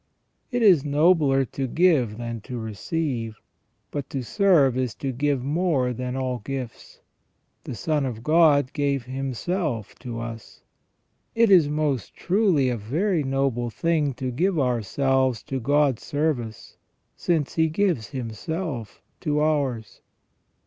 It is nobler to give than to receive, but to serve is to give more than all gifts. The FROM THE BEGINNING TO THE END OF MAN. 403 Son of God gave Himself to us. It is most truly a very noble thing to give ourselves to God's service, since He gives Himself to ours.